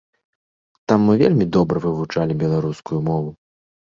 Там мы вельмі добра вывучалі беларускую мову.